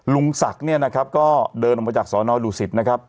ลุงศักดิ์เนี้ยนะครับก็เดินออกมาจากสอน้อยดูสิทธิ์